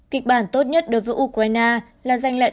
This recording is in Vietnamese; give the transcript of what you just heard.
kịch bản tốt nhất đối với ukraine là